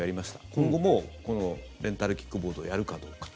今後もレンタルキックボードをやるかどうか。